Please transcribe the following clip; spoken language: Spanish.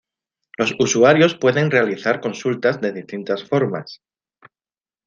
Los usuarios pueden realizar consultas de distintas formas.